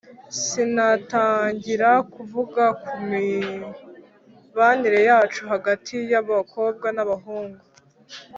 Sinatangira kuvuga ku mibanire yacu hagati y’abakobwa n’abahungu,